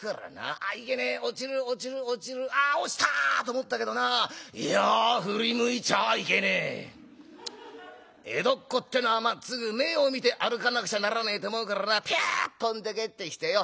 『あっいけねえ落ちる落ちる落ちるあっ落ちた！』と思ったけどないや振り向いちゃいけねえ江戸っ子ってのはまっつぐ前を見て歩かなくちゃならねえと思うからなぴゅ飛んで帰ってきてよ